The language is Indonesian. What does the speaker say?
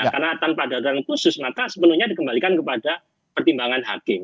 karena tanpa ada aturan khusus maka sepenuhnya dikembalikan kepada pertimbangan hakim